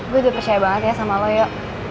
gue udah percaya banget ya sama lo yo